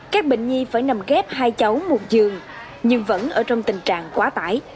các bệnh nhi phải nằm ghép hai cháu một giường nhưng vẫn ở trong tình trạng quá tải